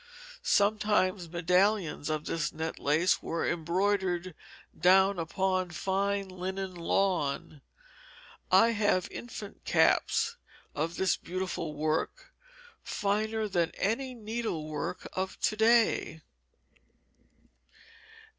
Sometimes medallions of this net lace were embroidered down upon fine linen lawn. I have infants' caps of this beautiful work, finer than any needlework of to day.